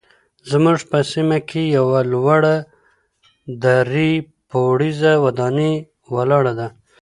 زموږ په سیمه کې یوه لوړه درې پوړیزه ودانۍ ولاړه ده.